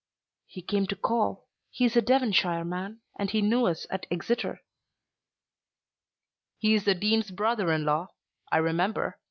"He came to call. He is a Devonshire man, and he knew us at Exeter." "He is the Dean's brother in law. I remember.